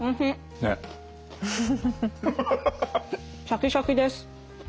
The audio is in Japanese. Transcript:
シャキシャキです。